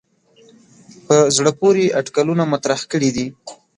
په زړه پورې اټکلونه مطرح کړي دي.